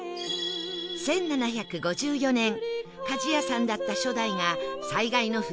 １７５４年鍛冶屋さんだった初代が災害の復旧作業中に